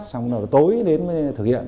sau đó tối đến thực hiện